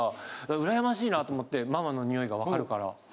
うらやましいなって思ってママの匂いがわかるから。